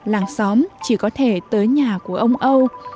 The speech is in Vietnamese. là của ông âu